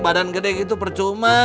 badan gede gitu percuma